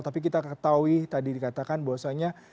tapi kita ketahui tadi dikatakan bahwasannya